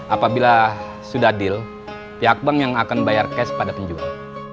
apabila sudah deal pihak bank yang akan bayar cash pada penjual